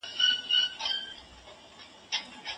د يو ښه سبا لپاره کار وکړئ.